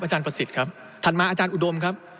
อาจารย์ประสิทธิ์ครับ